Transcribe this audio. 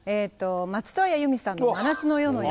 松任谷由実さんの「真夏の夜の夢」